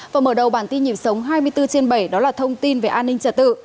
và mở đầu bản tin nhịp sống hai mươi bốn trên bảy đó là thông tin về an ninh trật tự